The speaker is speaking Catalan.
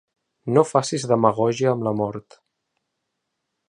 No facis demagògia amb la mort.